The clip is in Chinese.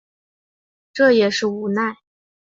这也是无奈